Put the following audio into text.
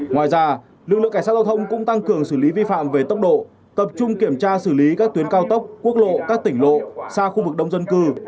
ngoài ra lực lượng cảnh sát giao thông cũng tăng cường xử lý vi phạm về tốc độ tập trung kiểm tra xử lý các tuyến cao tốc quốc lộ các tỉnh lộ xa khu vực đông dân cư